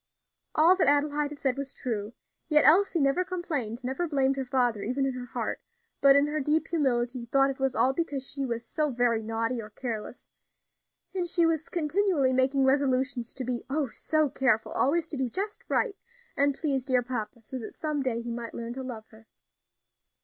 All that Adelaide had said was true; yet Elsie never complained, never blamed her father, even in her heart; but, in her deep humility, thought it was all because she was "so very naughty or careless;" and she was continually making resolutions to be "oh! so careful always to do just right, and please dear papa, so that some day he might learn to love her."